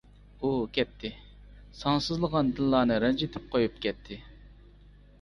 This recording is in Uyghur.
ئۇ كەتتى، سانسىزلىغان دىللارنى رەنجىتىپ قويۇپ كەتتى.